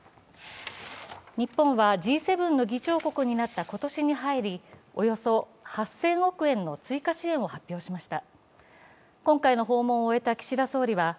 日本はＧ７の議長国になった今年に入り、およそ８０００億円の追加支援を発表しました。